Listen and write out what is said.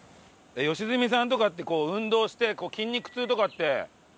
良純さんとかって運動して筋肉痛とかってなります？